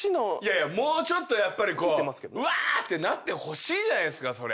もうちょっとやっぱりうわ！ってなってほしいじゃないですか。